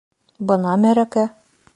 — Бына мәрәкә!..